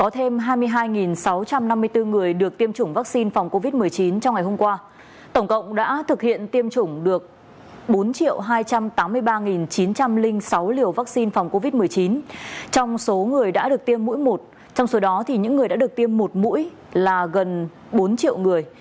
trong số người đã được tiêm mũi một trong số đó thì những người đã được tiêm một mũi là gần bốn triệu người